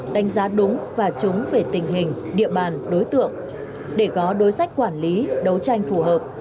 đánh giá đúng và chúng về tình hình địa bàn đối tượng để có đối sách quản lý đấu tranh phù hợp